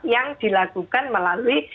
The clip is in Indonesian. yang dilakukan melalui